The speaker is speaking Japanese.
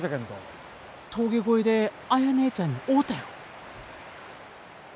峠越えで綾ねえちゃんに会うたよ。